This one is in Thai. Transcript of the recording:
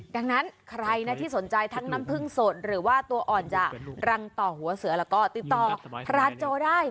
ดังนั้นใครนะที่สนใจทั้งน้ำผึ้งสดหรือว่าตัวอ่อนจากรังต่อหัวเสือแล้วก็ติดต่อพรานโจได้